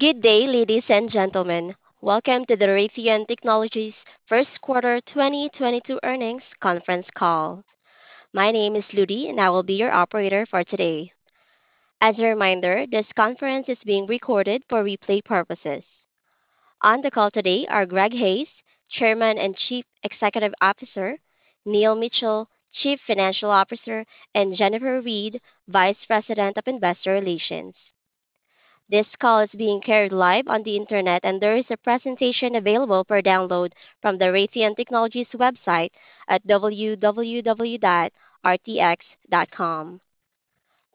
Good day, ladies and gentlemen. Welcome to the Raytheon Technologies First Quarter 2022 Earnings Conference Call. My name is Lui, and I will be your operator for today. As a reminder, this conference is being recorded for replay purposes. On the call today are Greg Hayes, Chairman and Chief Executive Officer, Neil Mitchill, Chief Financial Officer, and Jennifer Reed, Vice President of Investor Relations. This call is being carried live on the internet, and there is a presentation available for download from the Raytheon Technologies website at www.rtx.com.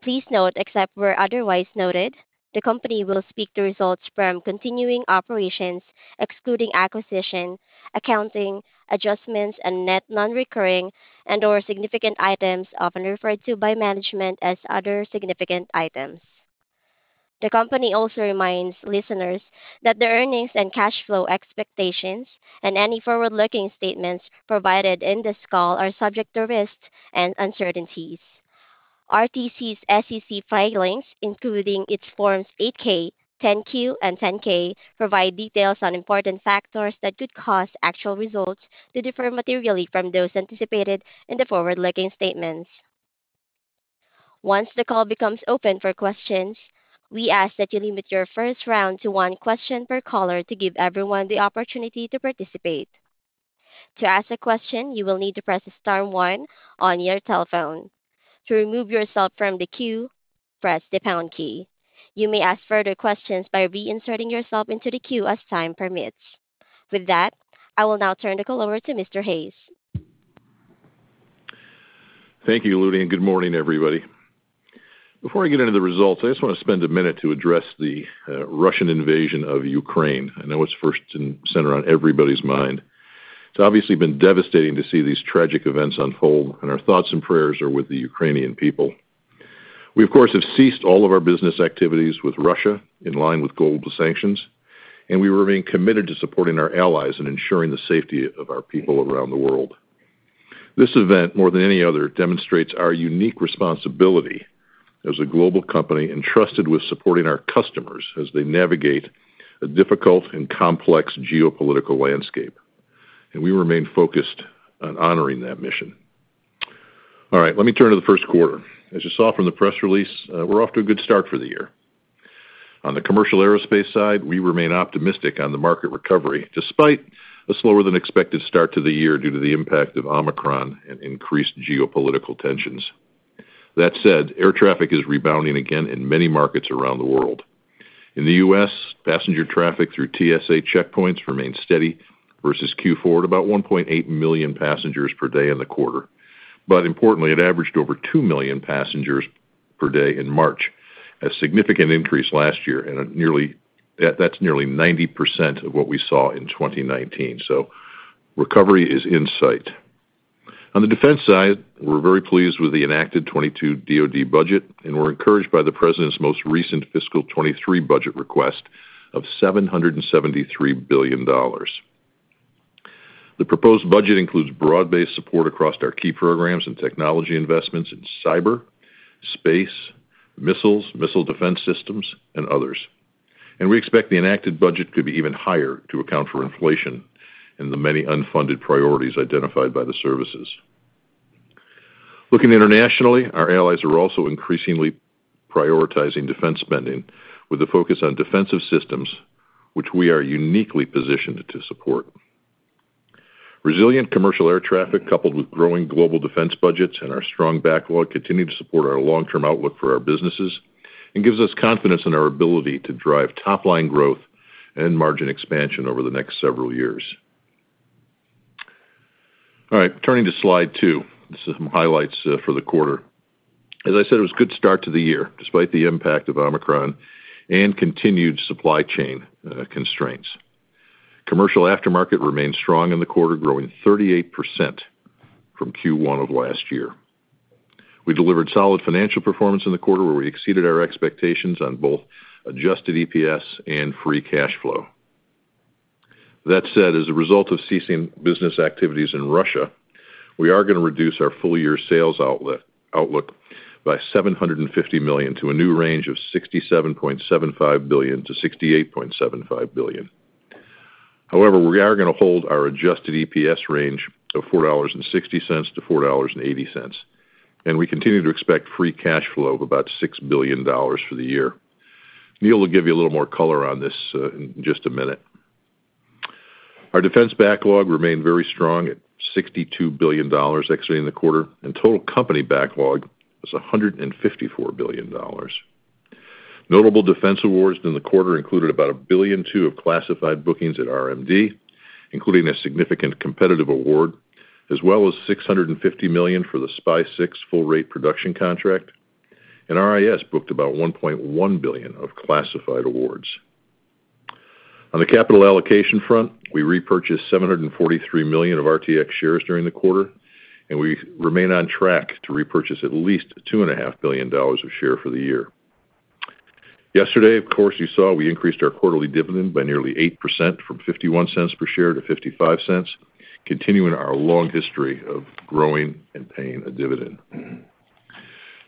Please note, except where otherwise noted, the company will speak the results from continuing operations, excluding acquisition, accounting, adjustments, and net non-recurring and/or significant items often referred to by management as other significant items. The company also reminds listeners that the earnings and cash flow expectations and any forward-looking statements provided in this call are subject to risks and uncertainties. RTC's SEC filings, including its Forms 8-K, 10-Q, and 10-K, provide details on important factors that could cause actual results to differ materially from those anticipated in the forward-looking statements. Once the call becomes open for questions, we ask that you limit your first round to one question per caller to give everyone the opportunity to participate. To ask a question, you will need to press star one on your telephone. To remove yourself from the queue, press the pound key. You may ask further questions by reinserting yourself into the queue as time permits. With that, I will now turn the call over to Mr. Hayes. Thank you, Lui, and good morning, everybody. Before I get into the results, I just wanna spend a minute to address the Russian invasion of Ukraine. I know it's front and center on everybody's mind. It's obviously been devastating to see these tragic events unfold, and our thoughts and prayers are with the Ukrainian people. We, of course, have ceased all of our business activities with Russia in line with global sanctions, and we remain committed to supporting our allies and ensuring the safety of our people around the world. This event, more than any other, demonstrates our unique responsibility as a global company entrusted with supporting our customers as they navigate a difficult and complex geopolitical landscape, and we remain focused on honoring that mission. All right, let me turn to the first quarter. As you saw from the press release, we're off to a good start for the year. On the commercial aerospace side, we remain optimistic on the market recovery despite a slower than expected start to the year due to the impact of Omicron and increased geopolitical tensions. That said, air traffic is rebounding again in many markets around the world. In the U.S., passenger traffic through TSA checkpoints remains steady versus Q4, at about 1.8 million passengers per day in the quarter. Importantly, it averaged over two million passengers per day in March, a significant increase last year, and that's nearly 90% of what we saw in 2019. Recovery is in sight. On the defense side, we're very pleased with the enacted 2022 DoD budget, and we're encouraged by the president's most recent FY 2023 budget request of $773 billion. The proposed budget includes broad-based support across our key programs and technology investments in cyber, space, missiles, missile defense systems, and others. We expect the enacted budget could be even higher to account for inflation and the many unfunded priorities identified by the services. Looking internationally, our allies are also increasingly prioritizing defense spending with a focus on defensive systems which we are uniquely positioned to support. Resilient commercial air traffic coupled with growing global defense budgets and our strong backlog continue to support our long-term outlook for our businesses and gives us confidence in our ability to drive top-line growth and margin expansion over the next several years. All right. Turning to slide two. This is some highlights for the quarter. As I said, it was a good start to the year despite the impact of Omicron and continued supply chain constraints. Commercial aftermarket remained strong in the quarter, growing 38% from Q1 of last year. We delivered solid financial performance in the quarter where we exceeded our expectations on both adjusted EPS and free cash flow. That said, as a result of ceasing business activities in Russia, we are gonna reduce our full-year sales outlook by $750 million to a new range of $67.75 billion-$68.75 billion. However, we are gonna hold our adjusted EPS range of $4.60-$4.80, and we continue to expect free cash flow of about $6 billion for the year. Neil will give you a little more color on this in just a minute. Our defense backlog remained very strong at $62 billion exiting the quarter, and total company backlog was $154 billion. Notable defense awards in the quarter included about $1.2 billion of classified bookings at RMD, including a significant competitive award, as well as $650 million for the SPY-6 full rate production contract. RIS booked about $1.1 billion of classified awards. On the capital allocation front, we repurchased $743 million of RTX shares during the quarter, and we remain on track to repurchase at least $2.5 billion of shares for the year. Yesterday, of course, you saw we increased our quarterly dividend by nearly 8% from $0.51 per share to $0.55, continuing our long history of growing and paying a dividend.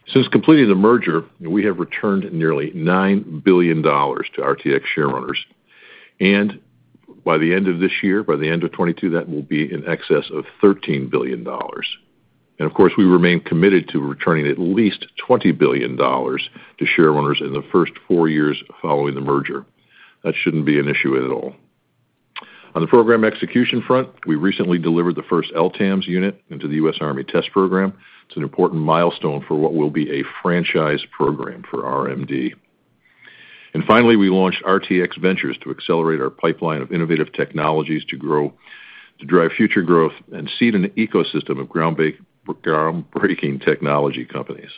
Since completing the merger, we have returned nearly $9 billion to RTX share owners. By the end of this year, by the end of 2022, that will be in excess of $13 billion. Of course, we remain committed to returning at least $20 billion to share owners in the first four years following the merger. That shouldn't be an issue at all. On the program execution front, we recently delivered the first LTAMDS unit into the U.S. Army test program. It's an important milestone for what will be a franchise program for RMD. Finally, we launched RTX Ventures to accelerate our pipeline of innovative technologies to drive future growth and seed an ecosystem of groundbreaking technology companies.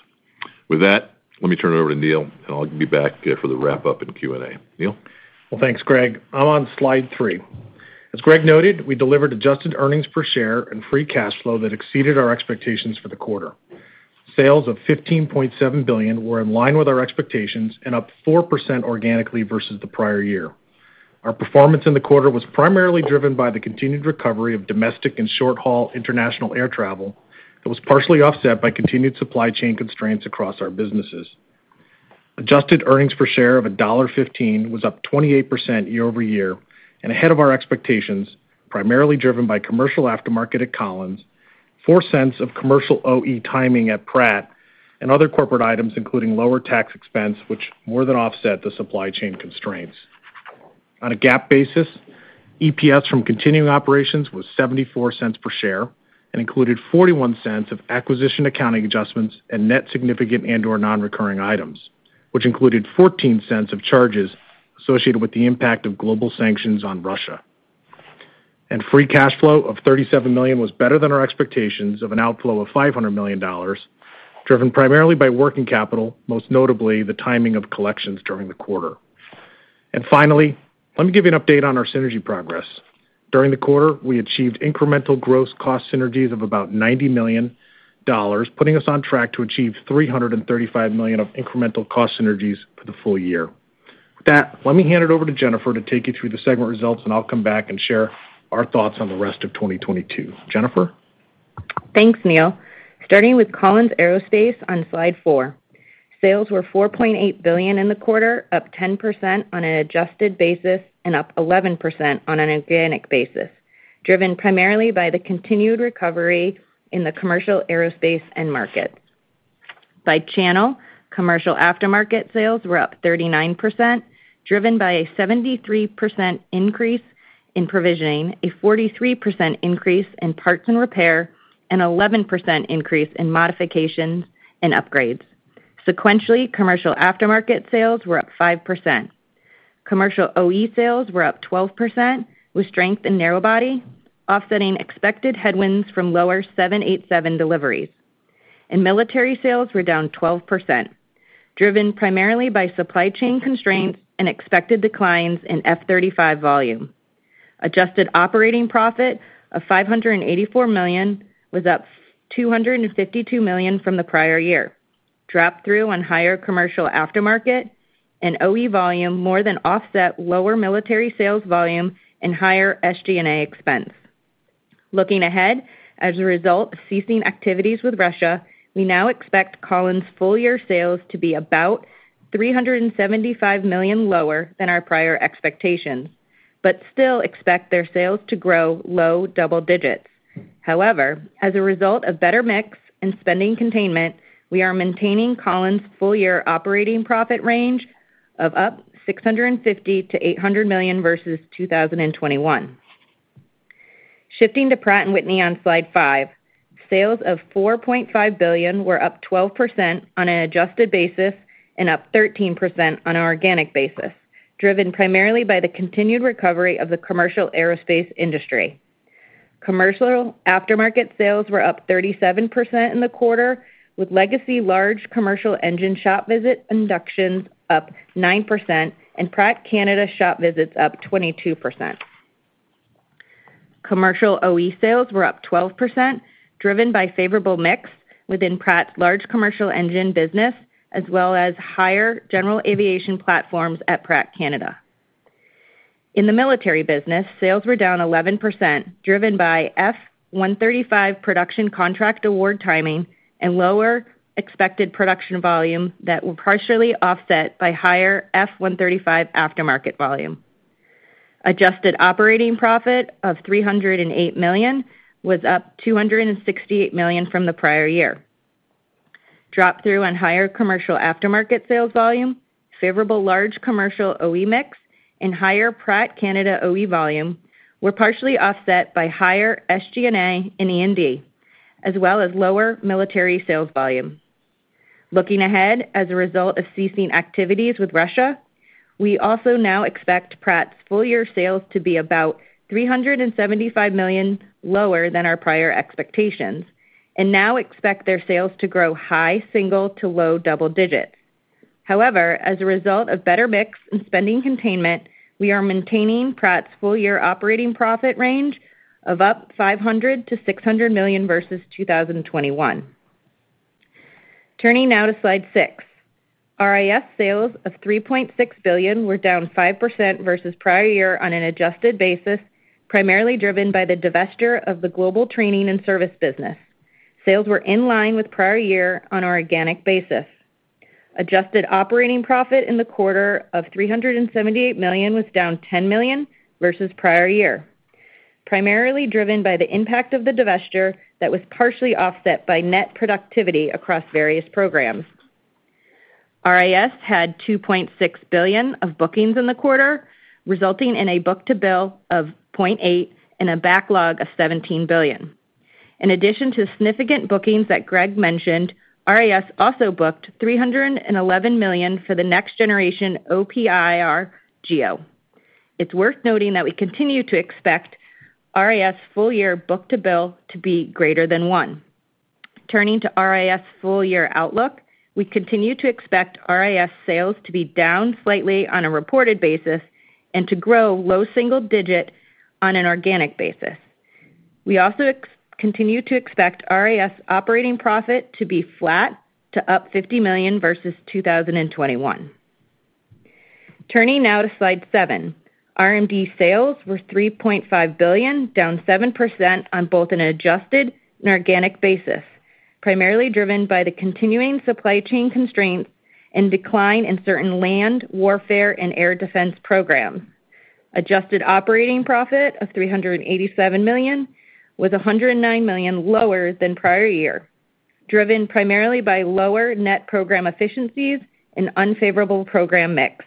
With that, let me turn it over to Neil, and I'll be back for the wrap-up and Q&A. Neil? Well, thanks, Greg. I'm on slide three. As Greg noted, we delivered adjusted earnings per share and free cash flow that exceeded our expectations for the quarter. Sales of $15.7 billion were in line with our expectations and up 4% organically versus the prior year. Our performance in the quarter was primarily driven by the continued recovery of domestic and short-haul international air travel that was partially offset by continued supply chain constraints across our businesses. Adjusted earnings per share of $1.15 was up 28% year-over-year and ahead of our expectations, primarily driven by commercial aftermarket at Collins, $0.04 of commercial OE timing at Pratt, and other corporate items, including lower tax expense, which more than offset the supply chain constraints. On a GAAP basis, EPS from continuing operations was $0.74 per share and included $0.41 of acquisition accounting adjustments and net significant and/or non-recurring items, which included $0.14 of charges associated with the impact of global sanctions on Russia. Free cash flow of $37 million was better than our expectations of an outflow of $500 million, driven primarily by working capital, most notably the timing of collections during the quarter. Finally, let me give you an update on our synergy progress. During the quarter, we achieved incremental gross cost synergies of about $90 million, putting us on track to achieve $335 million of incremental cost synergies for the full year. With that, let me hand it over to Jennifer to take you through the segment results, and I'll come back and share our thoughts on the rest of 2022. Jennifer? Thanks, Neil. Starting with Collins Aerospace on slide four. Sales were $4.8 billion in the quarter, up 10% on an adjusted basis and up 11% on an organic basis, driven primarily by the continued recovery in the commercial aerospace end market. By channel, commercial aftermarket sales were up 39%, driven by a 73% increase in provisioning, a 43% increase in parts and repair, an 11% increase in modifications and upgrades. Sequentially, commercial aftermarket sales were up 5%. Commercial OE sales were up 12%, with strength in narrow body offsetting expected headwinds from lower 787 deliveries. Military sales were down 12%, driven primarily by supply chain constraints and expected declines in F-35 volume. Adjusted operating profit of $584 million was up $252 million from the prior year. Drop through on higher commercial aftermarket and OE volume more than offset lower military sales volume and higher SG&A expense. Looking ahead, as a result of ceasing activities with Russia, we now expect Collins' full-year sales to be about $375 million lower than our prior expectations, but still expect their sales to grow low double digits. However, as a result of better mix and spending containment, we are maintaining Collins' full-year operating profit range of up $650 million-$800 million versus 2021. Shifting to Pratt & Whitney on slide five. Sales of $4.5 billion were up 12% on an adjusted basis and up 13% on an organic basis, driven primarily by the continued recovery of the commercial aerospace industry. Commercial aftermarket sales were up 37% in the quarter, with legacy large commercial engine shop visit inductions up 9% and Pratt Canada shop visits up 22%. Commercial OE sales were up 12%, driven by favorable mix within Pratt's large commercial engine business, as well as higher general aviation platforms at Pratt Canada. In the military business, sales were down 11%, driven by F135 production contract award timing and lower expected production volume that were partially offset by higher F135 aftermarket volume. Adjusted operating profit of $308 million was up $268 million from the prior year. Drop through on higher commercial aftermarket sales volume, favorable large commercial OE mix, and higher Pratt Canada OE volume were partially offset by higher SG&A and E&D, as well as lower military sales volume. Looking ahead, as a result of ceasing activities with Russia, we also now expect Pratt's full-year sales to be about $375 million lower than our prior expectations and now expect their sales to grow high single to low double digits. However, as a result of better mix and spending containment, we are maintaining Pratt's full-year operating profit range of up $500-$600 million versus 2021. Turning now to slide six. RIS sales of $3.6 billion were down 5% versus prior year on an adjusted basis, primarily driven by the divestiture of the global training and service business. Sales were in line with prior year on organic basis. Adjusted operating profit in the quarter of $378 million was down $10 million versus prior year, primarily driven by the impact of the divestiture that was partially offset by net productivity across various programs. RIS had $2.6 billion of bookings in the quarter, resulting in a book-to-bill of 0.8 and a backlog of $17 billion. In addition to significant bookings that Greg mentioned, RIS also booked $311 million for the next-generation OPIR GEO. It's worth noting that we continue to expect RIS full-year book-to-bill to be greater than one. Turning to RIS full-year outlook, we continue to expect RIS sales to be down slightly on a reported basis and to grow low single-digit on an organic basis. We also continue to expect RIS operating profit to be flat to up $50 million versus 2021. Turning now to slide seven. RMD sales were $3.5 billion, down 7% on both an adjusted and organic basis, primarily driven by the continuing supply chain constraints and decline in certain land, warfare, and air defense programs. Adjusted operating profit of $387 million was $109 million lower than prior year, driven primarily by lower net program efficiencies and unfavorable program mix.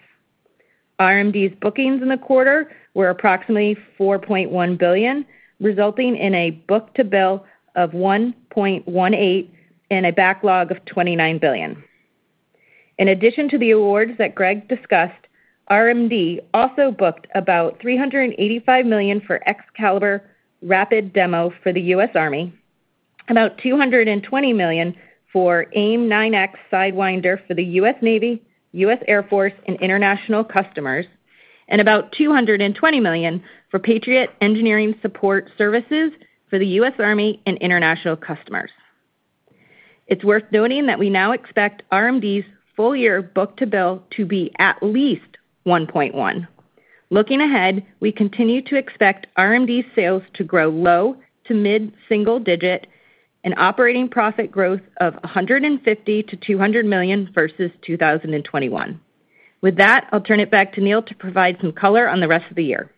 RMD's bookings in the quarter were approximately $4.1 billion, resulting in a book-to-bill of 1.18 and a backlog of $29 billion. In addition to the awards that Greg discussed, RMD also booked about $385 million for Excalibur Rapid Demo for the U.S. Army, about $220 million for AIM-9X SIDEWINDER for the U.S. Navy, U.S. Air Force, and international customers, and about $220 million for Patriot engineering support services for the U.S. Army and international customers. It's worth noting that we now expect RMD's full year book-to-bill to be at least 1.1. Looking ahead, we continue to expect RMD sales to grow low- to mid-single-digit and operating profit growth of $150 million-$200 million versus 2021. With that, I'll turn it back to Neil to provide some color on the rest of the year.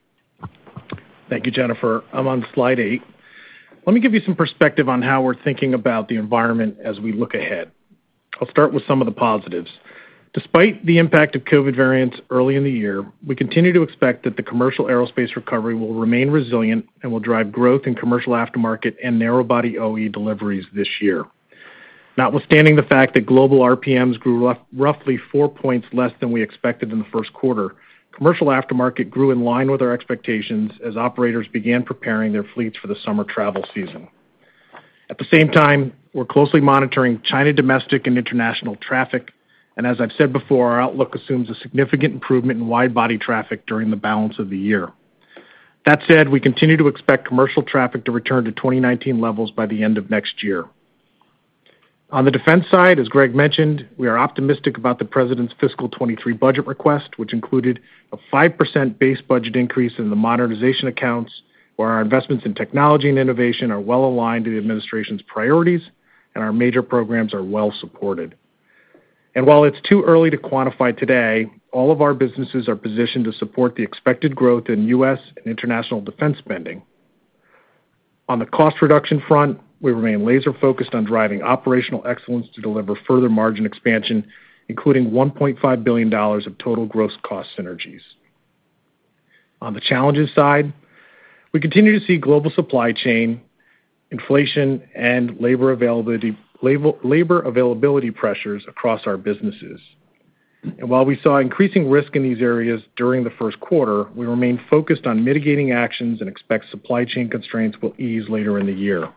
Thank you, Jennifer. I'm on slide eight. Let me give you some perspective on how we're thinking about the environment as we look ahead. I'll start with some of the positives. Despite the impact of COVID variants early in the year, we continue to expect that the commercial aerospace recovery will remain resilient and will drive growth in commercial aftermarket and narrow body OE deliveries this year. Notwithstanding the fact that global RPMs grew roughly four points less than we expected in the first quarter, commercial aftermarket grew in line with our expectations as operators began preparing their fleets for the summer travel season. At the same time, we're closely monitoring China domestic and international traffic, and as I've said before, our outlook assumes a significant improvement in wide body traffic during the balance of the year. That said, we continue to expect commercial traffic to return to 2019 levels by the end of next year. On the defense side, as Greg mentioned, we are optimistic about the President's fiscal 2023 budget request, which included a 5% base budget increase in the modernization accounts, where our investments in technology and innovation are well aligned to the administration's priorities and our major programs are well supported. While it's too early to quantify today, all of our businesses are positioned to support the expected growth in U.S. and international defense spending. On the cost reduction front, we remain laser-focused on driving operational excellence to deliver further margin expansion, including $1.5 billion of total gross cost synergies. On the challenges side, we continue to see global supply chain inflation and labor availability pressures across our businesses. While we saw increasing risk in these areas during the first quarter, we remain focused on mitigating actions and expect supply chain constraints will ease later in the year.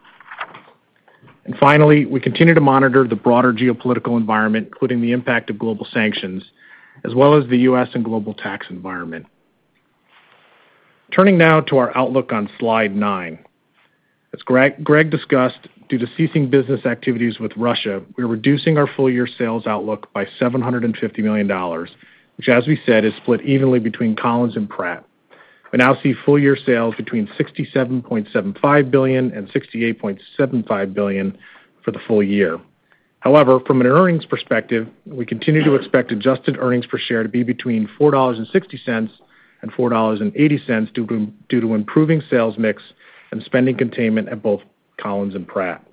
Finally, we continue to monitor the broader geopolitical environment, including the impact of global sanctions, as well as the U.S. and global tax environment. Turning now to our outlook on slide nine. As Greg discussed, due to ceasing business activities with Russia, we're reducing our full year sales outlook by $750 million, which as we said, is split evenly between Collins and Pratt. We now see full year sales between $67.75 billion and $68.75 billion for the full year. However, from an earnings perspective, we continue to expect adjusted earnings per share to be between $4.60 and $4.80 due to improving sales mix and spending containment at both Collins and Pratt.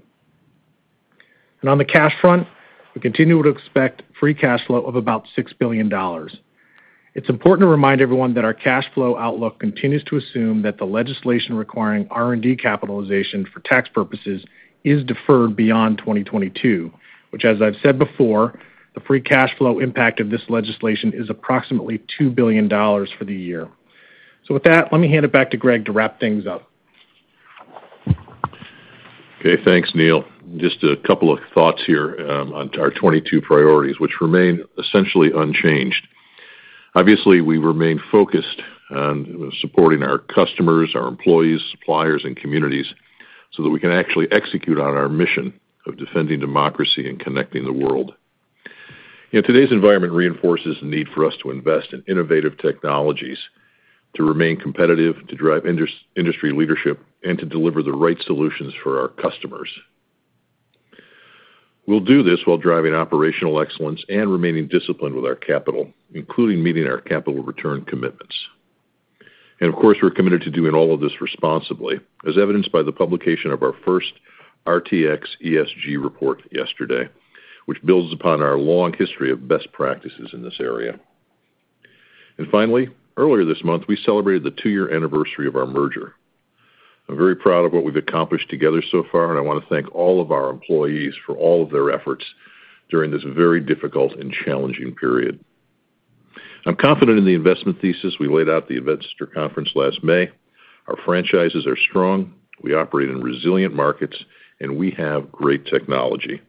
On the cash front, we continue to expect free cash flow of about $6 billion. It's important to remind everyone that our cash flow outlook continues to assume that the legislation requiring R&D capitalization for tax purposes is deferred beyond 2022, which as I've said before, the free cash flow impact of this legislation is approximately $2 billion for the year. With that, let me hand it back to Greg to wrap things up. Okay, thanks, Neil. Just a couple of thoughts here on our 22 priorities, which remain essentially unchanged. Obviously, we remain focused on supporting our customers, our employees, suppliers, and communities so that we can actually execute on our mission of defending democracy and connecting the world. In today's environment, it reinforces the need for us to invest in innovative technologies to remain competitive, to drive industry leadership, and to deliver the right solutions for our customers. We'll do this while driving operational excellence and remaining disciplined with our capital, including meeting our capital return commitments. Of course, we're committed to doing all of this responsibly, as evidenced by the publication of our first RTX ESG report yesterday, which builds upon our long history of best practices in this area. Finally, earlier this month, we celebrated the two-year anniversary of our merger. I'm very proud of what we've accomplished together so far, and I want to thank all of our employees for all of their efforts during this very difficult and challenging period. I'm confident in the investment thesis we laid out at the investor conference last May. Our franchises are strong, we operate in resilient markets, and we have great technology.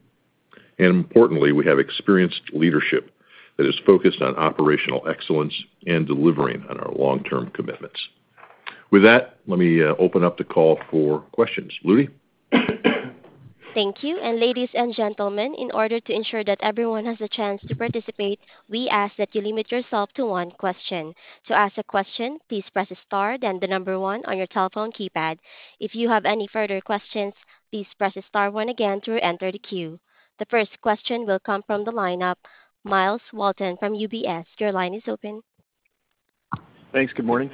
Importantly, we have experienced leadership that is focused on operational excellence and delivering on our long-term commitments. With that, let me open up the call for questions. Lui? Thank you. Ladies and gentlemen, in order to ensure that everyone has a chance to participate, we ask that you limit yourself to one question. To ask a question, please press star then the number one on your telephone keypad. If you have any further questions, please press star one again to reenter the queue. The first question will come from the line of Myles Walton from UBS. Your line is open. Thanks. Good morning.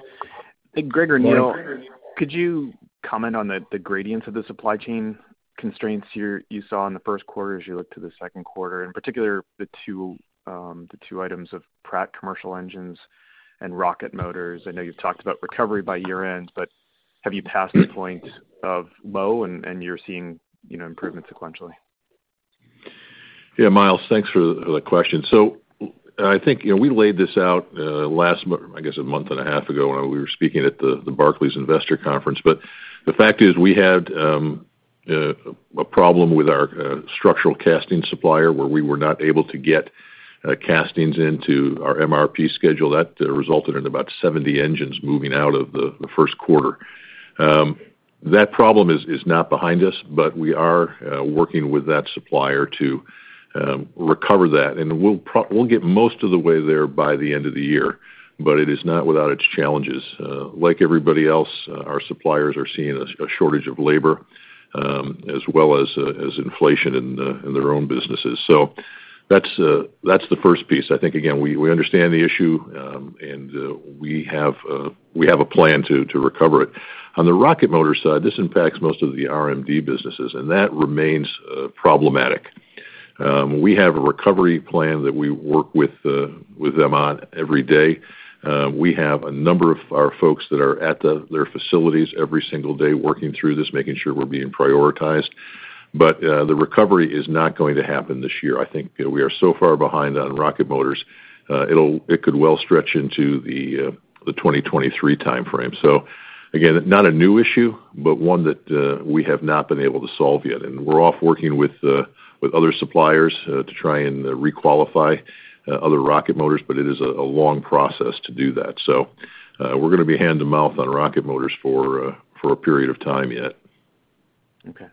Good morning. Greg or Neil, could you comment on the gradients of the supply chain constraints you saw in the first quarter as you look to the second quarter, in particular, the two items of Pratt commercial engines and rocket motors? I know you've talked about recovery by year-end, but have you passed the point of low and you're seeing, you know, improvement sequentially? Yeah. Miles, thanks for the question. I think, you know, we laid this out last. I guess a month and a half ago when we were speaking at the Barclays Investor Conference. The fact is we had a problem with our structural casting supplier where we were not able to get castings into our MRP schedule that resulted in about 70 engines moving out of the first quarter. That problem is now behind us, but we are working with that supplier to recover that. We'll get most of the way there by the end of the year, but it is not without its challenges. Like everybody else, our suppliers are seeing a shortage of labor as well as inflation in their own businesses. That's the first piece. I think, again, we understand the issue, and we have a plan to recover it. On the rocket motor side, this impacts most of the RMD businesses, and that remains problematic. We have a recovery plan that we work with them on every day. We have a number of our folks that are at their facilities every single day working through this, making sure we're being prioritized. The recovery is not going to happen this year. I think, you know, we are so far behind on rocket motors, it could well stretch into the 2023 timeframe. Again, not a new issue, but one that we have not been able to solve yet. We're off working with other suppliers to try and re-qualify other rocket motors, but it is a long process to do that. We're gonna be hand-to-mouth on rocket motors for a period of time yet. Okay.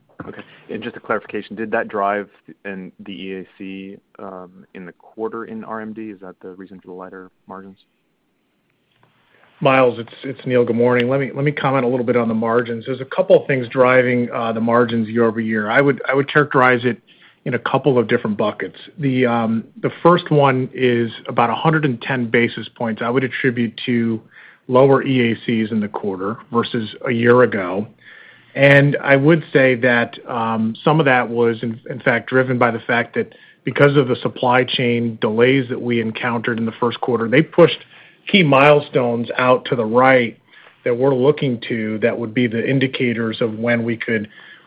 Just a clarification, did that drive in the EAC, in the quarter in RMD? Is that the reason for the lighter margins? Myles, it's Neil. Good morning. Let me comment a little bit on the margins. There's a couple of things driving the margins year-over-year. I would characterize it in a couple of different buckets. The first one is about 110 basis points I would attribute to lower EACs in the quarter versus a year ago. I would say that some of that was in fact driven by the fact that because of the supply chain delays that we encountered in the first quarter, they pushed key milestones out to the right that we're looking to that would be the indicators of when we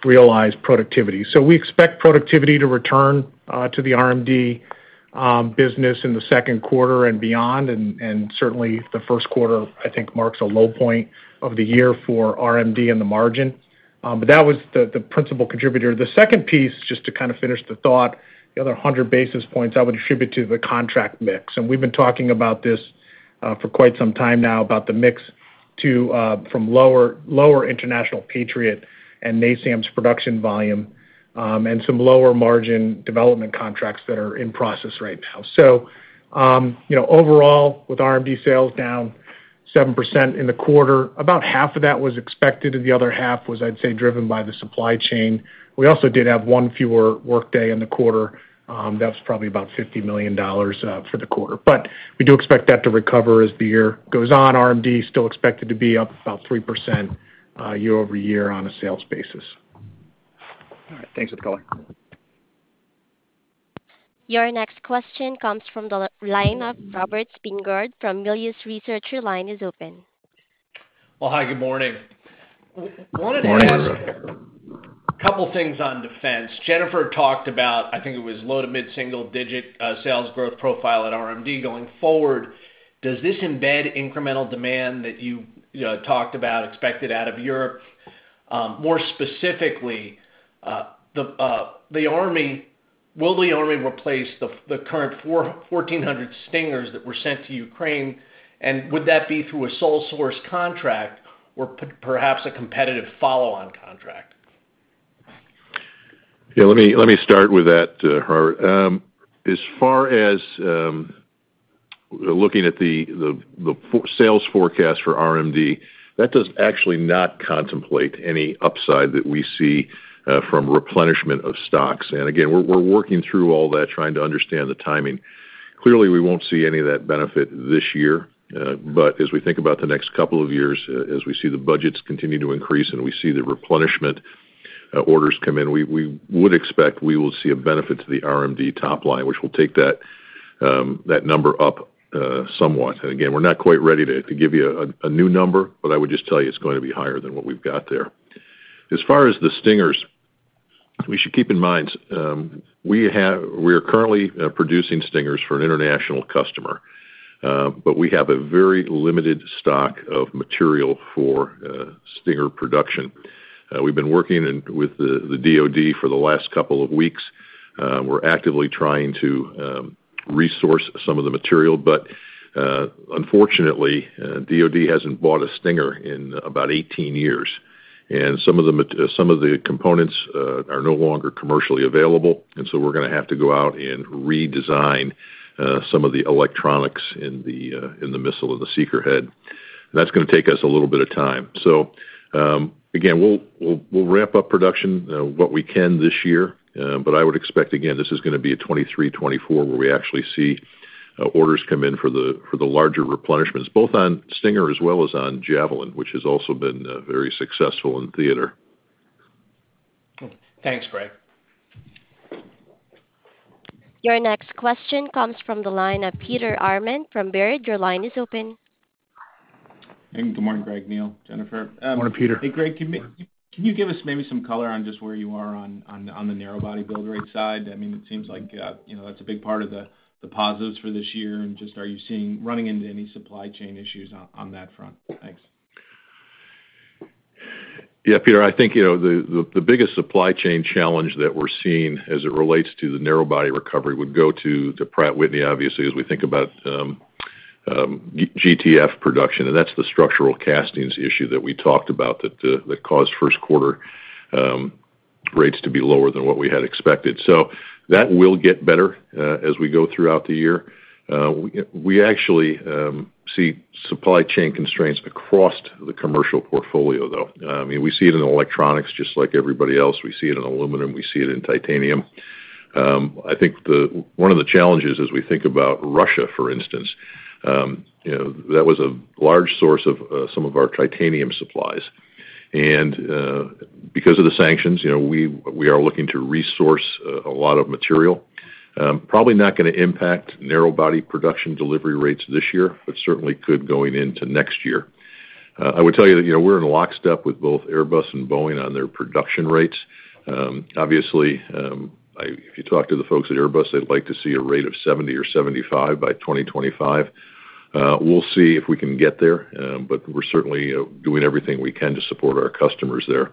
could realize productivity. We expect productivity to return to the RMD business in the second quarter and beyond. Certainly the first quarter, I think marks a low point of the year for RMD in the margin. But that was the principal contributor. The second piece, just to kind of finish the thought, the other 100 basis points I would attribute to the contract mix. We've been talking about this for quite some time now about the mix to from lower international Patriot and NASAMS production volume, and some lower margin development contracts that are in process right now. You know, overall, with RMD sales down 7% in the quarter, about half of that was expected, and the other half was, I'd say, driven by the supply chain. We also did have one fewer workday in the quarter. That's probably about $50 million for the quarter. We do expect that to recover as the year goes on. RMD is still expected to be up about 3% year-over-year on a sales basis. All right. Thanks for the color. Your next question comes from the line of Robert Spingarn from Melius Research. Your line is open. Well, hi, good morning. Good morning. Wanted to ask a couple things on defense. Jennifer talked about, I think it was low- to mid-single-digit sales growth profile at RMD going forward. Does this embed incremental demand that you know, talked about expected out of Europe? More specifically, the Army. Will the Army replace the current 1,400 Stingers that were sent to Ukraine? Would that be through a sole source contract or perhaps a competitive follow-on contract? Yeah, let me start with that, Howard. As far as looking at the sales forecast for RMD, that does actually not contemplate any upside that we see from replenishment of stocks. Again, we're working through all that, trying to understand the timing. Clearly, we won't see any of that benefit this year. As we think about the next couple of years, as we see the budgets continue to increase and we see the replenishment orders come in, we would expect we will see a benefit to the RMD top line, which will take that number up somewhat. Again, we're not quite ready to give you a new number, but I would just tell you it's going to be higher than what we've got there. As far as the Stingers, we should keep in mind, we are currently producing Stingers for an international customer, but we have a very limited stock of material for Stinger production. We've been working with the DoD for the last couple of weeks. We're actively trying to resource some of the material. But, unfortunately, DoD hasn't bought a Stinger in about 18 years, and some of the components are no longer commercially available. We're gonna have to go out and redesign some of the electronics in the missile and the seeker head. That's gonna take us a little bit of time. Again, we'll ramp up production what we can this year. I would expect, again, this is gonna be a 2023-2024, where we actually see orders come in for the larger replenishments, both on Stinger as well as on Javelin, which has also been very successful in theater. Okay. Thanks, Greg. Your next question comes from the line of Peter Arment from Baird. Your line is open. Good morning, Greg, Neil, Jennifer. Morning, Peter. Hey, Greg, can you give us maybe some color on just where you are on the narrow body build rate side? I mean, it seems like, you know, that's a big part of the positives for this year. Just, are you running into any supply chain issues on that front? Thanks. Yeah, Peter, I think, you know, the biggest supply chain challenge that we're seeing as it relates to the narrow body recovery would go to Pratt & Whitney, obviously, as we think about GTF production, and that's the structural castings issue that we talked about that caused first quarter rates to be lower than what we had expected. So that will get better as we go throughout the year. We actually see supply chain constraints across the commercial portfolio, though. I mean, we see it in electronics just like everybody else. We see it in aluminum. We see it in titanium. I think one of the challenges as we think about Russia, for instance, you know, that was a large source of some of our titanium supplies. Because of the sanctions, you know, we are looking to resource a lot of material. Probably not gonna impact narrowbody production delivery rates this year, but certainly could going into next year. I would tell you that, you know, we're in lockstep with both Airbus and Boeing on their production rates. Obviously, if you talk to the folks at Airbus, they'd like to see a rate of 70 or 75 by 2025. We'll see if we can get there. We're certainly doing everything we can to support our customers there.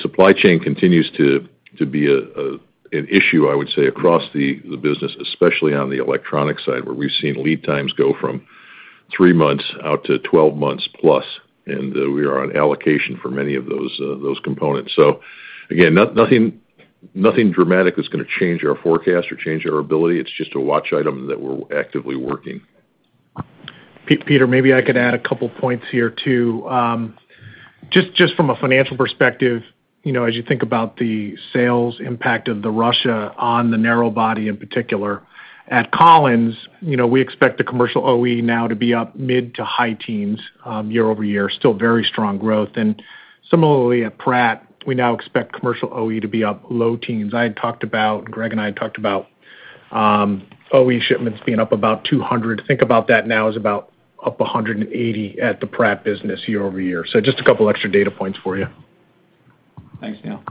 Supply chain continues to be an issue, I would say, across the business, especially on the electronic side, where we've seen lead times go from three months out to 12+ months, and we are on allocation for many of those components. Again, nothing dramatic that's gonna change our forecast or change our ability. It's just a watch item that we're actively working. Peter, maybe I could add a couple points here, too. Just from a financial perspective, you know, as you think about the sales impact of Russia on the narrowbody in particular. At Collins, you know, we expect the commercial OE now to be up mid- to high-teens year-over-year, still very strong growth. Similarly, at Pratt, we now expect commercial OE to be up low-teens. Greg and I had talked about OE shipments being up about 200. Think about that now as about up 180 at the Pratt business year-over-year. Just a couple extra data points for you. Thanks, Neil.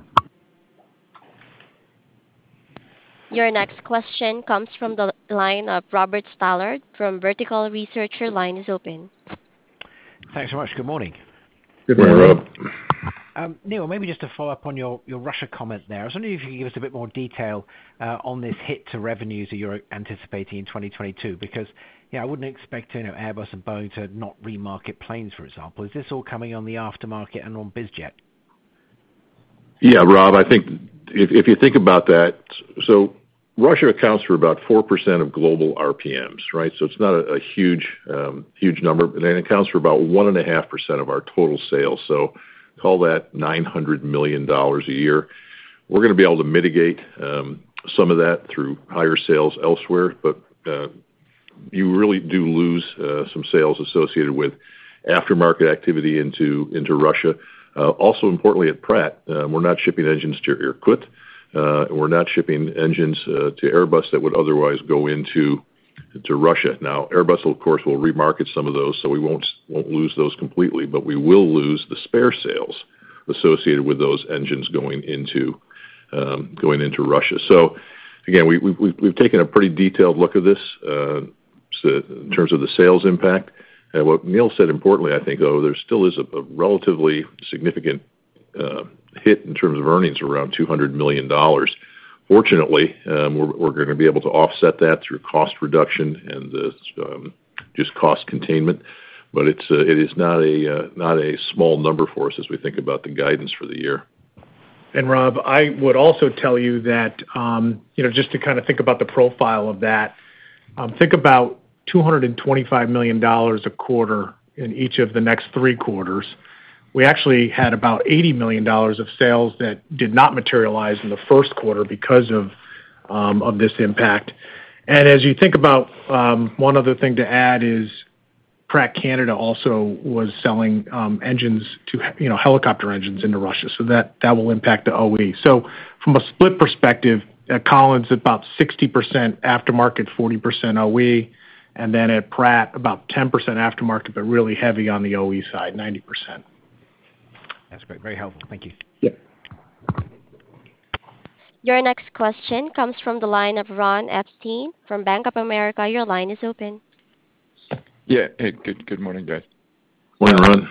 Your next question comes from the line of Robert Stallard from Vertical Research. Your line is open. Thanks so much. Good morning. Good morning, Rob. Neil, maybe just to follow up on your Russia comment there. I was wondering if you could give us a bit more detail on this hit to revenues that you're anticipating in 2022, because, you know, I wouldn't expect, you know, Airbus and Boeing to not remarket planes, for example. Is this all coming on the aftermarket and on biz jet? Yeah, Rob, I think if you think about that, Russia accounts for about 4% of global RPMs, right? It's not a huge number, but then it accounts for about 1.5% of our total sales. Call that $900 million a year. We're gonna be able to mitigate some of that through higher sales elsewhere. You really do lose some sales associated with aftermarket activity into Russia. Also importantly at Pratt, we're not shipping engines to Irkut, and we're not shipping engines to Airbus that would otherwise go into Russia. Now, Airbus, of course, will remarket some of those, so we won't lose those completely, but we will lose the spare sales associated with those engines going into Russia. Again, we've taken a pretty detailed look at this. Just in terms of the sales impact. What Neil said importantly, I think, though, there still is a relatively significant hit in terms of earnings around $200 million. Fortunately, we're gonna be able to offset that through cost reduction and just cost containment. It is not a small number for us as we think about the guidance for the year. Rob, I would also tell you that, you know, just to kind of think about the profile of that, think about $225 million a quarter in each of the next three quarters. We actually had about $80 million of sales that did not materialize in the first quarter because of this impact. As you think about, one other thing to add is Pratt Canada also was selling engines to, you know, helicopter engines into Russia, so that will impact the OE. From a split perspective at Collins, about 60% aftermarket, 40% OE, and then at Pratt, about 10% aftermarket, but really heavy on the OE side, 90%. That's great. Very helpful. Thank you. Yep. Your next question comes from the line of Ron Epstein from Bank of America. Your line is open. Yeah. Hey, good morning, guys. Morning,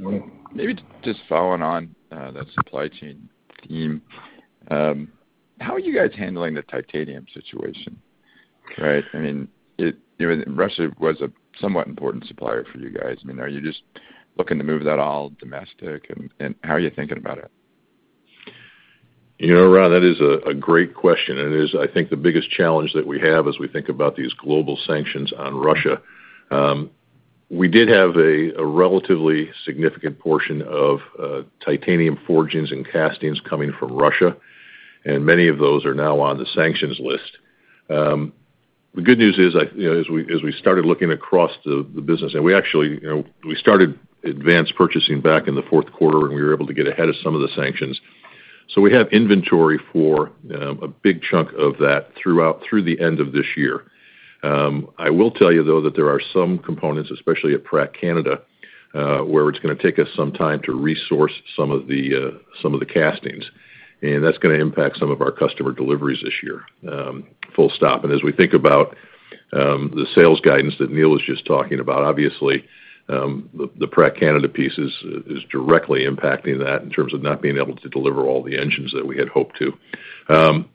Ron. Maybe just following on that supply chain theme. How are you guys handling the titanium situation, right? I mean, you know, Russia was a somewhat important supplier for you guys. I mean, are you just looking to move that all domestic and how are you thinking about it? You know, Ron, that is a great question, and it is, I think the biggest challenge that we have as we think about these global sanctions on Russia. We did have a relatively significant portion of titanium forgings and castings coming from Russia, and many of those are now on the sanctions list. The good news is you know, as we started looking across the business, and we actually, you know, we started advanced purchasing back in the fourth quarter, and we were able to get ahead of some of the sanctions. We have inventory for a big chunk of that through the end of this year. I will tell you though that there are some components, especially at Pratt Canada, where it's gonna take us some time to resource some of the castings, and that's gonna impact some of our customer deliveries this year, full stop. As we think about the sales guidance that Neil was just talking about, obviously, the Pratt Canada piece is directly impacting that in terms of not being able to deliver all the engines that we had hoped to.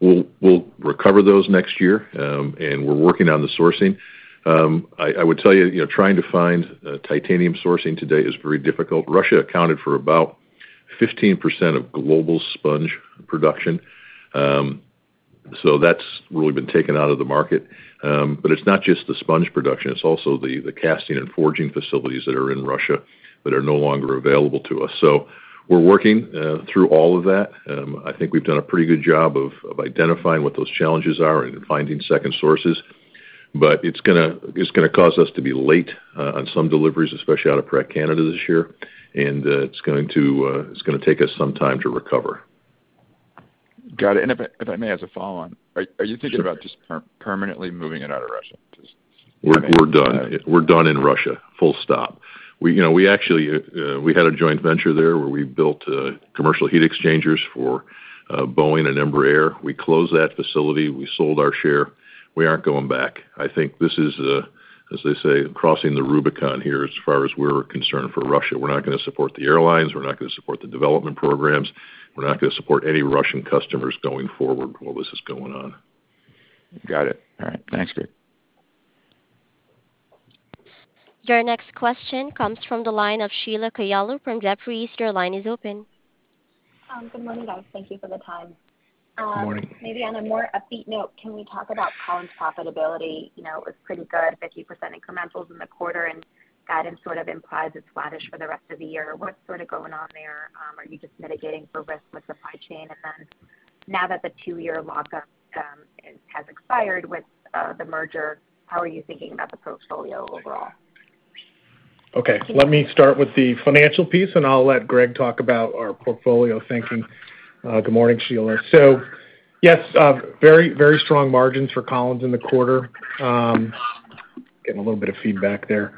We'll recover those next year, and we're working on the sourcing. I would tell you know, trying to find titanium sourcing today is very difficult. Russia accounted for about 15% of global sponge production, so that's really been taken out of the market. It's not just the sponge production, it's also the casting and forging facilities that are in Russia that are no longer available to us. We're working through all of that. I think we've done a pretty good job of identifying what those challenges are and finding second sources. It's gonna cause us to be late on some deliveries, especially out of Pratt Canada this year, and it's going to take us some time to recover. Got it. If I may, as a follow-on. Are you thinking about just permanently moving it out of Russia? We're done. We're done in Russia, full stop. We had a joint venture there where we built commercial heat exchangers for Boeing and Embraer. We closed that facility, we sold our share. We aren't going back. I think this is, as they say, crossing the Rubicon here as far as we're concerned for Russia. We're not gonna support the airlines. We're not gonna support the development programs. We're not gonna support any Russian customers going forward while this is going on. Got it. All right. Thanks, Greg. Your next question comes from the line of Sheila Kahyaoglu from Jefferies. Your line is open. Good morning, guys. Thank you for the time. Good morning. Maybe on a more upbeat note, can we talk about Collins' profitability? You know, it was pretty good, 50% incrementals in the quarter, and guidance sort of implies it's flattish for the rest of the year. What's sort of going on there? Are you just mitigating for risk with supply chain? And then now that the two-year lockup has expired with the merger, how are you thinking about the portfolio overall? Okay. Let me start with the financial piece, and I'll let Greg talk about our portfolio thinking. Good morning, Sheila. So yes, very strong margins for Collins in the quarter. Getting a little bit of feedback there.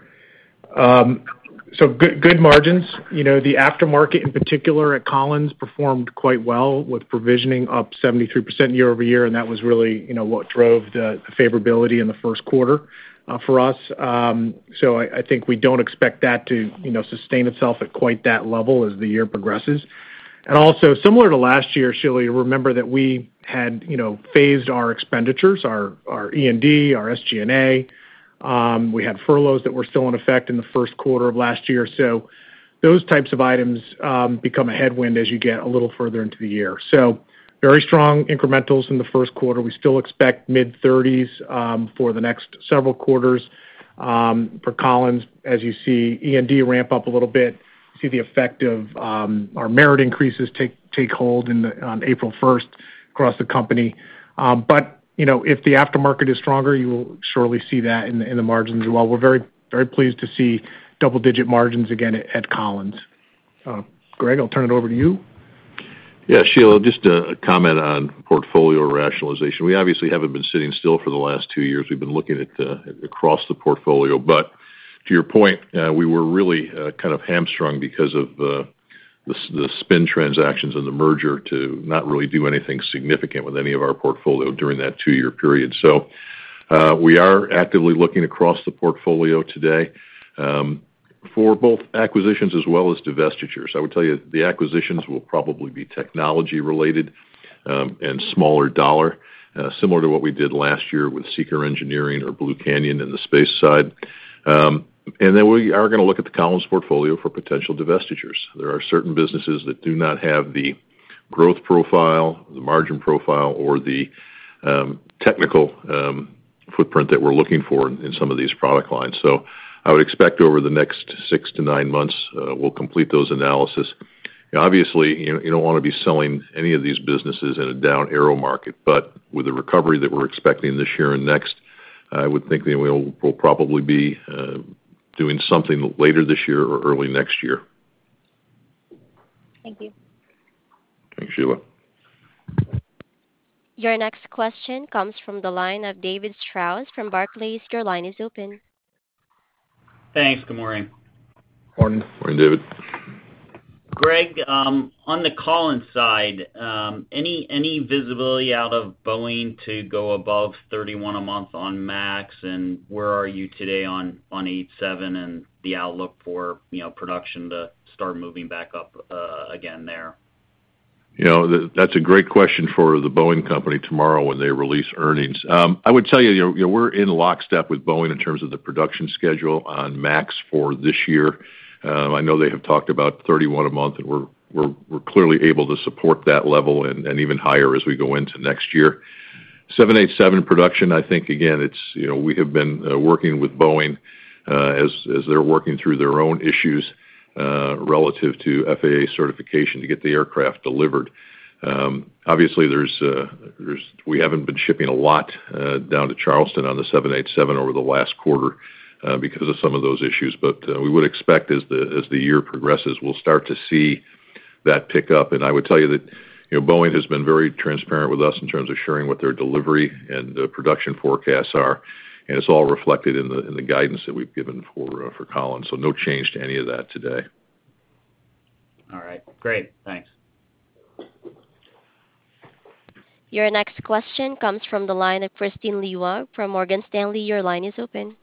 So good margins. You know, the aftermarket, in particular at Collins, performed quite well with provisioning up 73% year-over-year, and that was really, you know, what drove the favorability in the first quarter for us. I think we don't expect that to, you know, sustain itself at quite that level as the year progresses. Also similar to last year, Sheila, you'll remember that we had, you know, phased our expenditures, our E&D, our SG&A. We had furloughs that were still in effect in the first quarter of last year. Those types of items become a headwind as you get a little further into the year. Very strong incrementals in the first quarter. We still expect mid-30s for the next several quarters for Collins. As you see E&D ramp up a little bit, see the effect of our merit increases take hold on April first across the company. You know, if the aftermarket is stronger, you will surely see that in the margins as well. We're very pleased to see double-digit margins again at Collins. Greg, I'll turn it over to you. Yeah, Sheila, just a comment on portfolio rationalization. We obviously haven't been sitting still for the last two years. We've been looking at across the portfolio. To your point, we were really kind of hamstrung because of the spin transactions and the merger to not really do anything significant with any of our portfolio during that two-year period. We are actively looking across the portfolio today for both acquisitions as well as divestitures. I would tell you, the acquisitions will probably be technology related and smaller dollar, similar to what we did last year with SEAKR Engineering or Blue Canyon in the space side. We are gonna look at the Collins portfolio for potential divestitures. There are certain businesses that do not have the growth profile, the margin profile, or the technical footprint that we're looking for in some of these product lines. I would expect over the next six to nine months we'll complete those analyses. Obviously, you don't wanna be selling any of these businesses in a down market, but with the recovery that we're expecting this year and next, I would think that we'll probably be doing something later this year or early next year. Thank you. Thanks, Sheila. Your next question comes from the line of David Strauss from Barclays. Your line is open. Thanks. Good morning. Morning. Morning, David. Greg, on the Collins side, any visibility out of Boeing to go above 31 a month on MAX, and where are you today on 787 and the outlook for, you know, production to start moving back up again there? You know, that's a great question for The Boeing Company tomorrow when they release earnings. I would tell you know, we're in lockstep with Boeing in terms of the production schedule on MAX for this year. I know they have talked about 31 a month, and we're clearly able to support that level and even higher as we go into next year. 787 production, I think, again, you know, we have been working with Boeing as they're working through their own issues relative to FAA certification to get the aircraft delivered. Obviously, we haven't been shipping a lot down to Charleston on the 787 over the last quarter because of some of those issues, but we would expect as the year progresses, we'll start to see that pick up. I would tell you that, you know, Boeing has been very transparent with us in terms of sharing what their delivery and the production forecasts are, and it's all reflected in the guidance that we've given for Collins. No change to any of that today. All right, great. Thanks. Your next question comes from the line of Kristine Liwag from Morgan Stanley. Your line is open.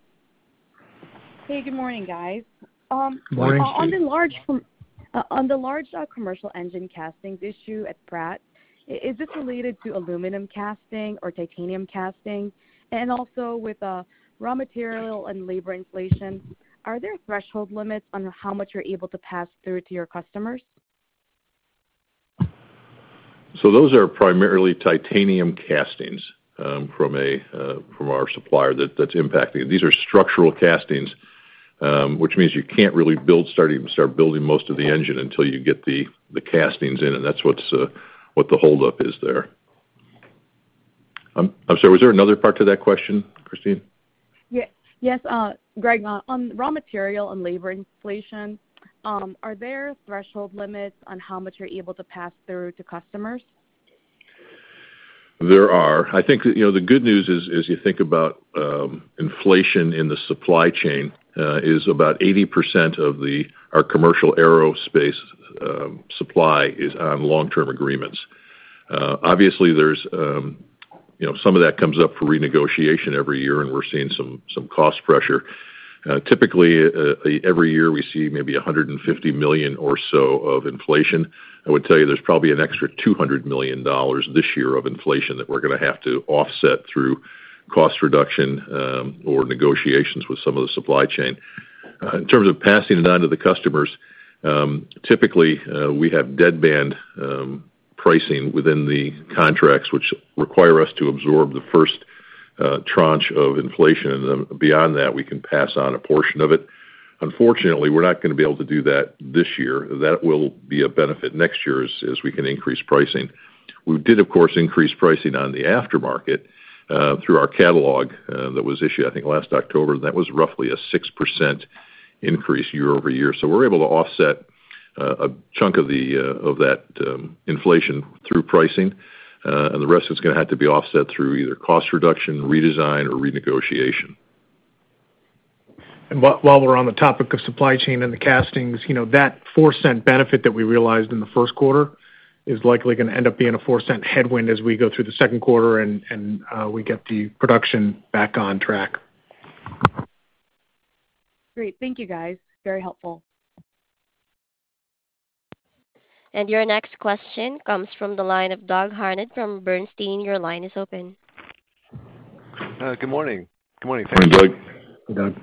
Hey, good morning, guys. Morning, Kristine. On the large commercial engine castings issue at Pratt, is this related to aluminum casting or titanium casting? Also with raw material and labor inflation, are there threshold limits on how much you're able to pass through to your customers? Those are primarily titanium castings from our supplier that's impacting. These are structural castings, which means you can't really start building most of the engine until you get the castings in, and that's what the holdup is there. I'm sorry, was there another part to that question, Kristine? Yes. Yes, Greg, on raw material and labor inflation, are there threshold limits on how much you're able to pass through to customers? There are. I think, you know, the good news is, as you think about inflation in the supply chain, is about 80% of our commercial aerospace supply is on long-term agreements. Obviously, there's, you know, some of that comes up for renegotiation every year, and we're seeing some cost pressure. Typically, every year, we see maybe $150 million or so of inflation. I would tell you there's probably an extra $200 million this year of inflation that we're gonna have to offset through cost reduction, or negotiations with some of the supply chain. In terms of passing it on to the customers, typically, we have deadband pricing within the contracts which require us to absorb the first tranche of inflation. Beyond that, we can pass on a portion of it. Unfortunately, we're not gonna be able to do that this year. That will be a benefit next year as we can increase pricing. We did, of course, increase pricing on the aftermarket through our catalog that was issued, I think, last October. That was roughly a 6% increase year-over-year. We're able to offset a chunk of that inflation through pricing. The rest is gonna have to be offset through either cost reduction, redesign, or renegotiation. While we're on the topic of supply chain and the castings, you know, that $0.04 benefit that we realized in the first quarter is likely gonna end up being a $0.04 headwind as we go through the second quarter and we get the production back on track. Great. Thank you, guys. Very helpful. Your next question comes from the line of Doug Harned from Bernstein. Your line is open. Good morning. Hey, Doug. Hey, Doug.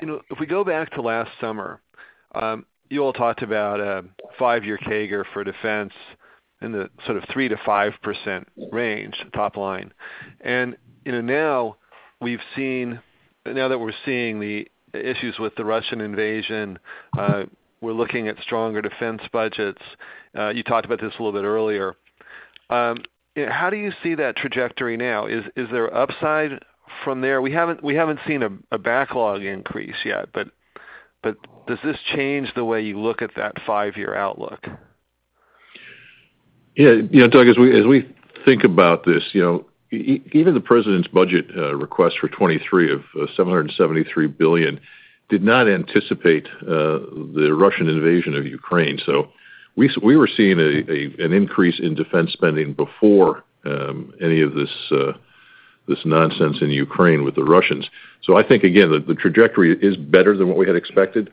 You know, if we go back to last summer, you all talked about a five-year CAGR for defense in the sort of 3%-5% range top line. You know, now that we're seeing the issues with the Russian invasion, we're looking at stronger defense budgets. You talked about this a little bit earlier. How do you see that trajectory now? Is there upside from there? We haven't seen a backlog increase yet, but does this change the way you look at that five-year outlook? Yeah. You know, Doug, as we think about this, you know, even the president's budget request for 2023 of $773 billion did not anticipate the Russian invasion of Ukraine. We were seeing an increase in defense spending before any of this nonsense in Ukraine with the Russians. I think again, the trajectory is better than what we had expected.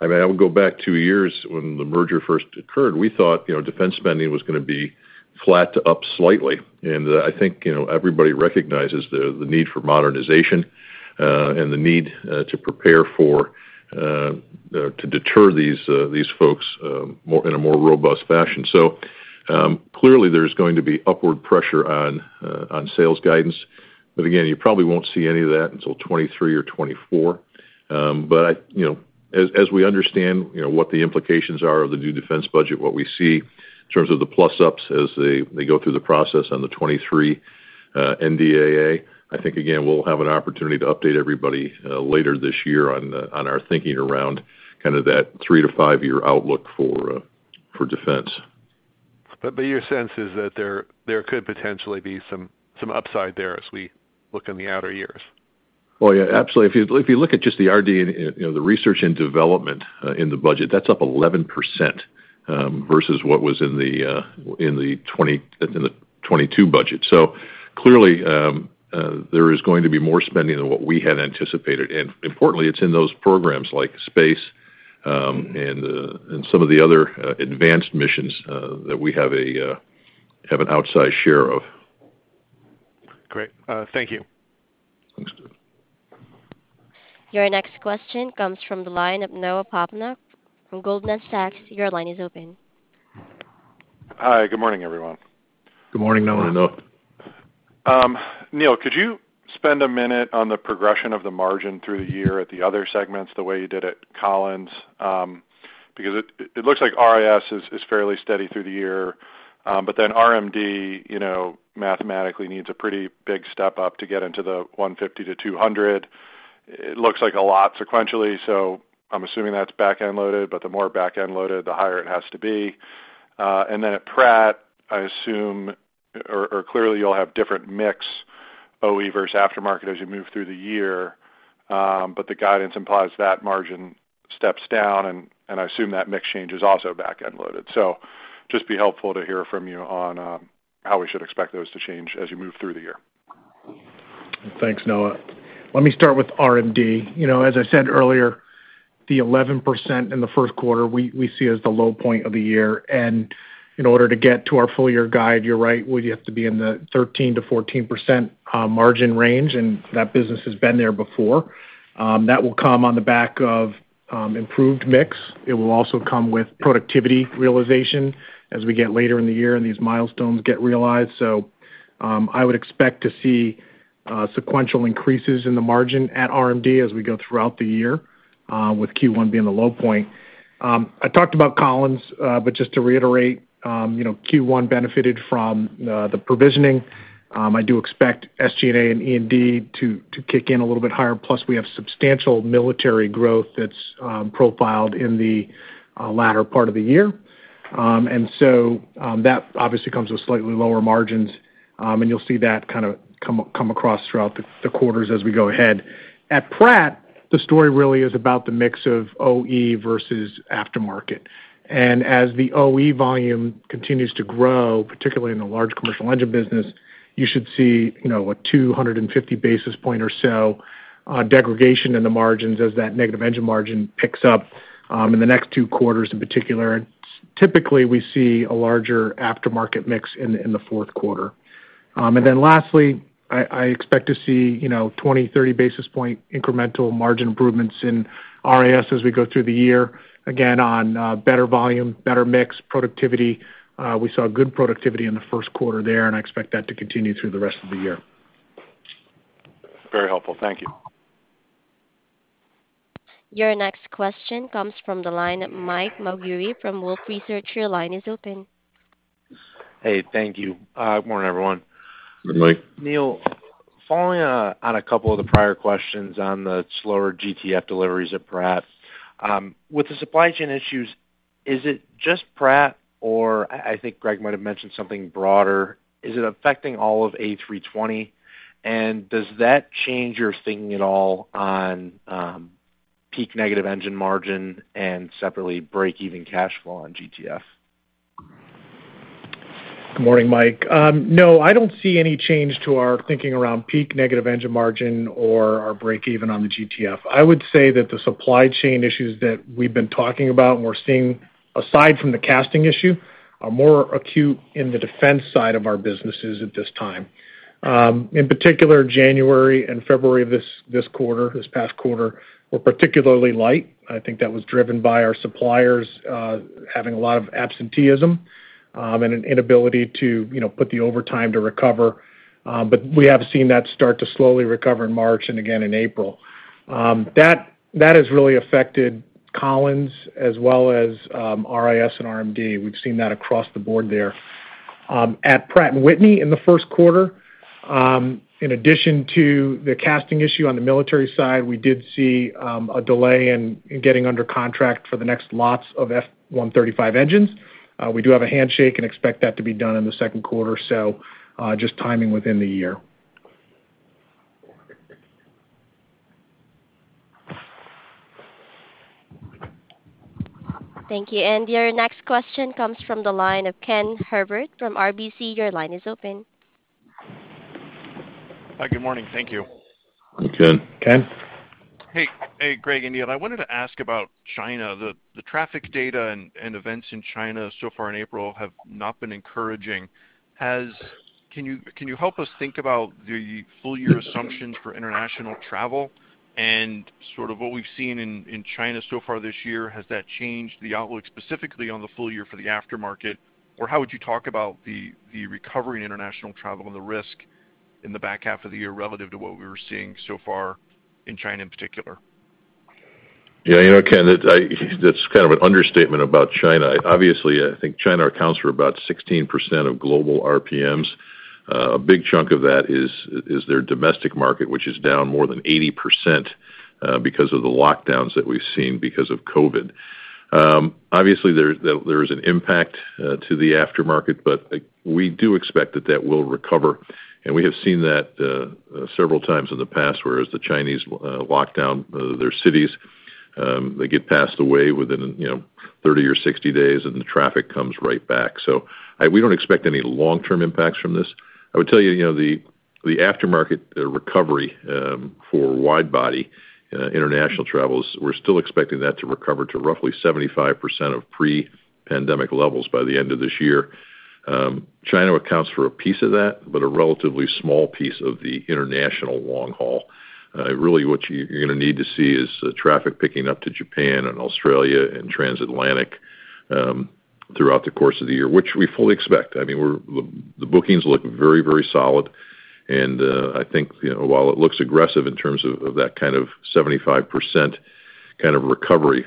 I mean, I would go back two years when the merger first occurred. We thought, you know, defense spending was gonna be flat to up slightly. I think, you know, everybody recognizes the need for modernization and the need to prepare to deter these folks in a more robust fashion. Clearly, there's going to be upward pressure on sales guidance. Again, you probably won't see any of that until 2023 or 2024. You know, as we understand, you know, what the implications are of the new defense budget, what we see in terms of the plus ups as they go through the process on the 2023 NDAA, I think again, we'll have an opportunity to update everybody later this year on our thinking around kind of that three to five-year outlook for defense. Your sense is that there could potentially be some upside there as we look in the outer years. Oh, yeah, absolutely. If you look at just the R&D and, you know, the research and development, in the budget, that's up 11%, versus what was in the 2022 budget. Clearly, there is going to be more spending than what we had anticipated. Importantly, it's in those programs like space, and some of the other advanced missions, that we have an outsized share of. Great. Thank you. Thanks, Doug. Your next question comes from the line of Noah Poponak from Goldman Sachs. Your line is open. Hi. Good morning, everyone. Good morning, Noah. Morning, Noah. Neil, could you spend a minute on the progression of the margin through the year at the other segments the way you did at Collins? Because it looks like RIS is fairly steady through the year. RMD, you know, mathematically needs a pretty big step up to get into the 150-200. It looks like a lot sequentially, so I'm assuming that's backend loaded, but the more backend loaded, the higher it has to be. At Pratt or clearly you'll have different mix OE versus aftermarket as you move through the year. The guidance implies that margin steps down, and I assume that mix change is also backend loaded. Just be helpful to hear from you on how we should expect those to change as you move through the year. Thanks, Noah. Let me start with RMD. You know, as I said earlier, the 11% in the first quarter, we see as the low point of the year. In order to get to our full year guide, you're right, we have to be in the 13%-14% margin range, and that business has been there before. That will come on the back of improved mix. It will also come with productivity realization as we get later in the year and these milestones get realized. I would expect to see sequential increases in the margin at RMD as we go throughout the year, with Q1 being the low point. I talked about Collins, but just to reiterate, you know, Q1 benefited from the provisioning. I do expect SG&A and E&D to kick in a little bit higher, plus we have substantial military growth that's profiled in the latter part of the year. That obviously comes with slightly lower margins, and you'll see that kind of come across throughout the quarters as we go ahead. At Pratt, the story really is about the mix of OE versus aftermarket. As the OE volume continues to grow, particularly in the large commercial engine business, you should see, you know, a 250 basis point or so degradation in the margins as that negative engine margin picks up in the next two quarters in particular. Typically, we see a larger aftermarket mix in the fourth quarter. Lastly, I expect to see, you know, 20-30 basis point incremental margin improvements in RIS as we go through the year, again on better volume, better mix, productivity. We saw good productivity in the first quarter there, and I expect that to continue through the rest of the year. Very helpful. Thank you. Your next question comes from the line of Mike Maugeri from Wolfe Research. Your line is open. Hey, thank you. Good morning, everyone. Good morning. Morning, Mike. Neil, following on a couple of the prior questions on the slower GTF deliveries at Pratt. With the supply chain issues, is it just Pratt, or I think Greg might have mentioned something broader. Is it affecting all of A320? Does that change your thinking at all on peak negative engine margin and separately breakeven cash flow on GTF? Good morning, Mike. No, I don't see any change to our thinking around peak negative engine margin or our breakeven on the GTF. I would say that the supply chain issues that we've been talking about and we're seeing, aside from the casting issue, are more acute in the defense side of our businesses at this time. In particular, January and February this past quarter were particularly light. I think that was driven by our suppliers having a lot of absenteeism and an inability to, you know, put the overtime to recover. We have seen that start to slowly recover in March and again in April. That has really affected Collins as well as RIS and RMD. We've seen that across the board there. At Pratt & Whitney in the first quarter, in addition to the casting issue on the military side, we did see a delay in getting under contract for the next lots of F135 engines. We do have a handshake and expect that to be done in the second quarter, so just timing within the year. Thank you. Your next question comes from the line of Ken Herbert from RBC. Your line is open. Hi, good morning. Thank you. Hey, Ken. Ken. Hey, hey, Greg and Neil, I wanted to ask about China. The traffic data and events in China so far in April have not been encouraging. Can you help us think about the full year assumptions for international travel and sort of what we've seen in China so far this year? Has that changed the outlook specifically on the full year for the aftermarket? Or how would you talk about the recovery in international travel and the risk in the back half of the year relative to what we were seeing so far in China in particular? Yeah. You know, Ken, that's kind of an understatement about China. Obviously, I think China accounts for about 16% of global RPMs. A big chunk of that is their domestic market, which is down more than 80%, because of the lockdowns that we've seen because of COVID. Obviously, there is an impact to the aftermarket, but we do expect that will recover, and we have seen that several times in the past, whereas the Chinese lock down their cities, they pass away within 30 or 60 days, and the traffic comes right back. We don't expect any long-term impacts from this. I would tell you know, the aftermarket recovery for wide-body international travels, we're still expecting that to recover to roughly 75% of pre-pandemic levels by the end of this year. China accounts for a piece of that, but a relatively small piece of the international long haul. Really what you're gonna need to see is the traffic picking up to Japan and Australia and transatlantic throughout the course of the year, which we fully expect. I mean, the bookings look very, very solid, and I think, you know, while it looks aggressive in terms of that kind of 75% kind of recovery,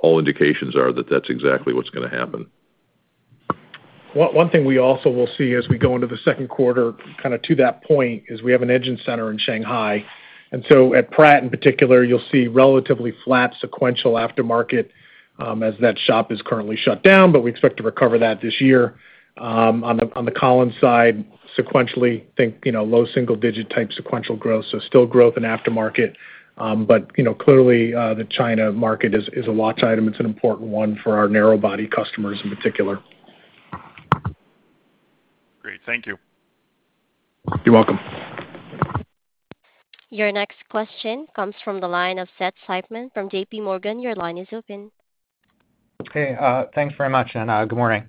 all indications are that that's exactly what's gonna happen. One thing we also will see as we go into the second quarter, kinda to that point, is we have an engine center in Shanghai. At Pratt in particular, you'll see relatively flat sequential aftermarket, as that shop is currently shut down, but we expect to recover that this year. On the Collins side, sequentially think, you know, low single-digit-type sequential growth, so still growth in aftermarket. You know, clearly, the China market is a watch item. It's an important one for our narrowbody customers in particular. Great. Thank you. You're welcome. Your next question comes from the line of Seth Seifman from J.P. Morgan. Your line is open. Hey, thanks very much. Good morning.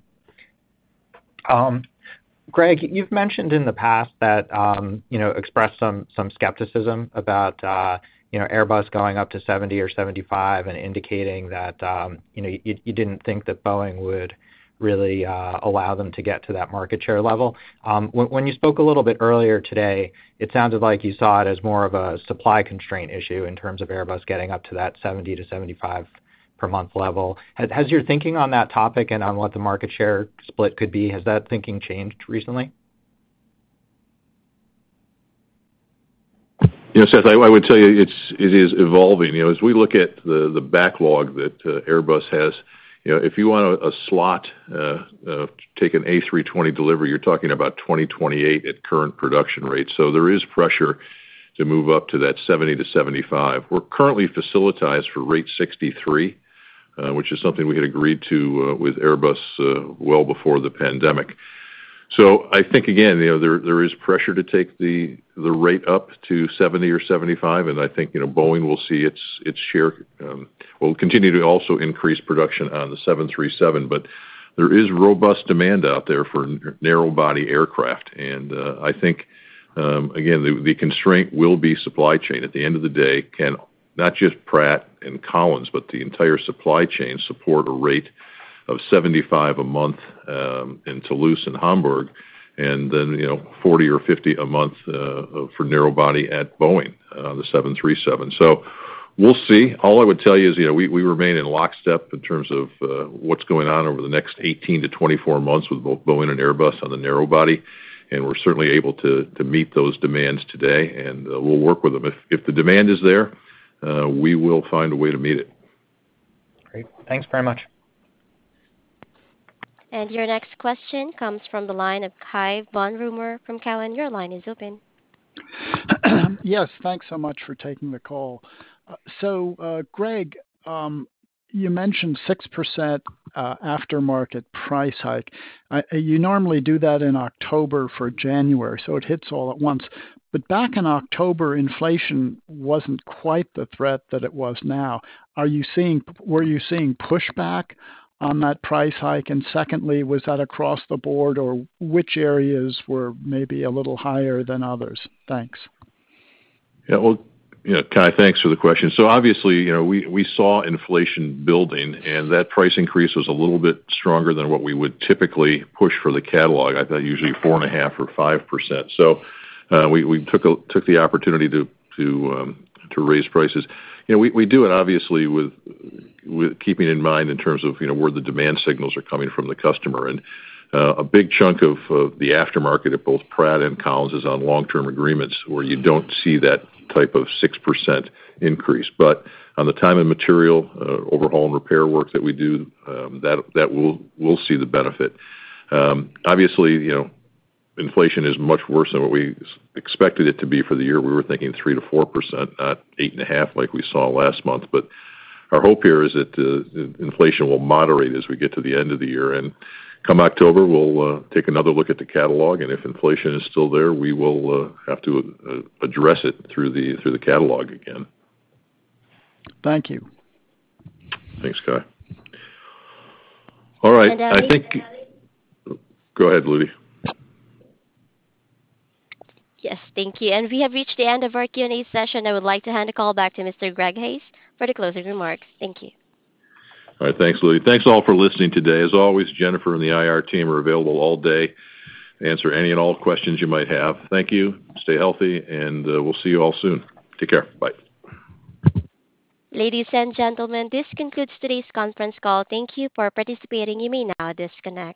Greg, you've mentioned in the past that, you know, expressed some skepticism about, you know, Airbus going up to 70 or 75 and indicating that, you know, you didn't think that Boeing would really allow them to get to that market share level. When you spoke a little bit earlier today, it sounded like you saw it as more of a supply constraint issue in terms of Airbus getting up to that 70-75 per month level. Has your thinking on that topic and on what the market share split could be, has that thinking changed recently? You know, Seth, I would tell you, it's evolving. You know, as we look at the backlog that Airbus has, you know, if you want a slot, take an A320 delivery, you're talking about 2028 at current production rates. So there is pressure to move up to that 70-75. We're currently facilitized for rate 63, which is something we had agreed to with Airbus well before the pandemic. So I think, again, you know, there is pressure to take the rate up to 70 or 75, and I think, you know, Boeing will see its share will continue to also increase production on the 737. But there is robust demand out there for narrow body aircraft. I think, again, the constraint will be supply chain. At the end of the day, cannot just Pratt and Collins, but the entire supply chain support a rate of 75 a month in Toulouse and Hamburg, and then, you know, 40 or 50 a month for narrow body at Boeing, the 737. We'll see. All I would tell you is, you know, we remain in lockstep in terms of what's going on over the next 18-24 months with both Boeing and Airbus on the narrow body, and we're certainly able to meet those demands today, and we'll work with them. If the demand is there, we will find a way to meet it. Great. Thanks very much. Your next question comes from the line of Cai von Rumohr from Cowen. Your line is open. Yes, thanks so much for taking the call. Greg, you mentioned 6% aftermarket price hike. You normally do that in October for January, so it hits all at once. Back in October, inflation wasn't quite the threat that it was now. Were you seeing pushback on that price hike? And secondly, was that across the board, or which areas were maybe a little higher than others? Thanks. Yeah. Well, you know, Cai, thanks for the question. Obviously, you know, we saw inflation building, and that price increase was a little bit stronger than what we would typically push for the catalog. I thought usually 4.5% or 5%. We took the opportunity to raise prices. You know, we do it obviously with keeping in mind in terms of, you know, where the demand signals are coming from the customer. A big chunk of the aftermarket at both Pratt and Collins is on long-term agreements where you don't see that type of 6% increase. On the time and material, overhaul and repair work that we do, that will see the benefit. Obviously, you know, inflation is much worse than what we expected it to be for the year. We were thinking 3%-4%, not 8.5% like we saw last month. Our hope here is that inflation will moderate as we get to the end of the year. Come October, we'll take another look at the catalog, and if inflation is still there, we will have to address it through the catalog again. Thank you. Thanks, Cai. All right. And Ali- Go ahead, Lui. Yes. Thank you. We have reached the end of our Q&A session. I would like to hand the call back to Mr. Greg Hayes for the closing remarks. Thank you. All right. Thanks, Lui. Thanks all for listening today. As always, Jennifer and the IR team are available all day to answer any and all questions you might have. Thank you. Stay healthy, and we'll see you all soon. Take care. Bye. Ladies and gentlemen, this concludes today's conference call. Thank you for participating. You may now disconnect.